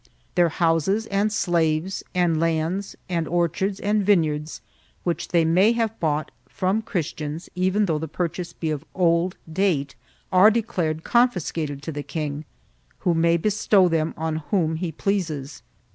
Their houses and slaves and lands and orchards and vineyards, which they may have bought from Christians, even though the purchase be of old date, are declared confiscated to the king, who may bestow them on whom he pleases.